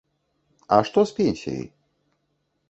А што з пенсіяй?